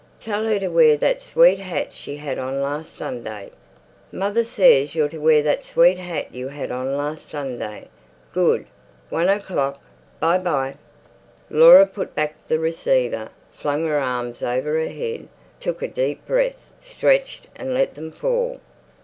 "Tell her to wear that sweet hat she had on last Sunday." "Mother says you're to wear that sweet hat you had on last Sunday. Good. One o'clock. Bye bye." Laura put back the receiver, flung her arms over her head, took a deep breath, stretched and let them fall.